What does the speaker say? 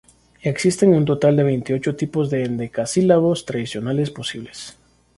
Existen un total de veintiocho tipos de endecasílabos tradicionales posibles.